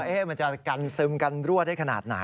เอ้มันจะกันซื้มกันรวดให้ขนาดไหน